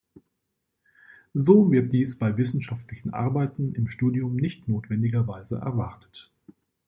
So wird dies bei wissenschaftlichen Arbeiten im Studium nicht notwendigerweise erwartet.